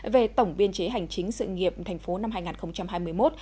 về tổng biên chế hành chính sự nghiệp thành phố năm hai nghìn hai mươi một